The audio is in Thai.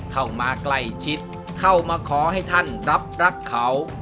เข้ามาใกล้ชิดเข้ามาขอให้ท่านรับรักเขา